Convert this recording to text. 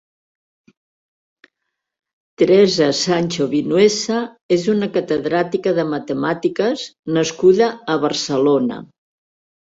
Teresa Sancho Vinuesa és una catedràtica de matemàtiques nascuda a Barcelona.